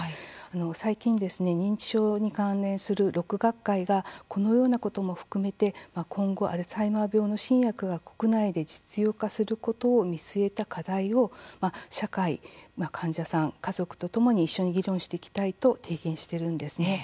最近、認知症に関連する６学会がこのようなことも含めて今後アルツハイマー病の新薬が国内で実用化することを見据えた課題を社会患者さん、家族とともに一緒に議論していきたいと提言しているんです。